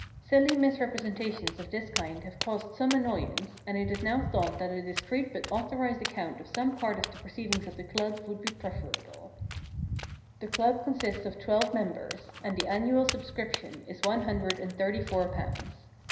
Silly misrepresentations of this kind have caused some annoyance, and it is now thought that a discreet but authorised account of some part of the proceedings of the club would be preferable. 4 The Giraffe Problem The club consists of twelve members, and the annual subscription is one hundred and thirty four pounds.